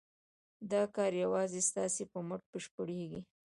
دا کار یوازې ستاسو په مټ بشپړېږي.